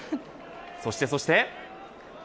そして、そして。